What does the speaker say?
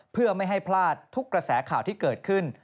เพื่อไม่ให้พลาดทุกกระแสข่าวที่เกิดขึ้น